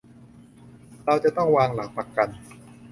เราจะต้องวางหลักประกัน